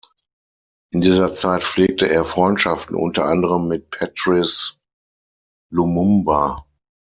In dieser Zeit pflegte er Freundschaften unter anderem mit Patrice Lumumba.